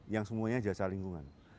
yang semuanya jasa lingkungan